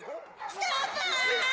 ストップ！